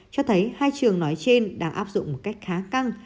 cho thấy hai trường nói trên đang áp dụng một cách khá căng